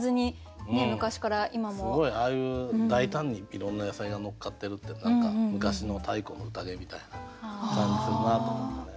すごいああいう大胆にいろんな野菜が載っかってるって何か昔の太古の宴みたいな感じするなと思ってね。